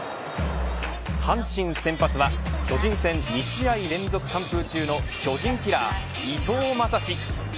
阪神先発は巨人戦２試合連続完封中の巨人キラー、伊藤将司。